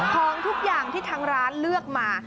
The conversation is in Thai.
ของทุกอย่างที่ทางร้านเลือกมา